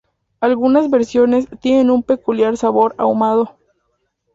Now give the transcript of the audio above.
Algunas versiones tienen un peculiar sabor ahumado.